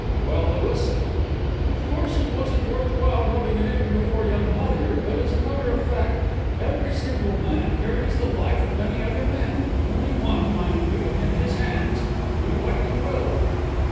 "Well, Louis?" "Of course it wasn't worth while rubbing it in before young Hollyer, but, as a matter of fact, every single man carries the life of any other man only one, mind you in his hands, do what you will."